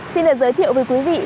xin được giới thiệu với quý vị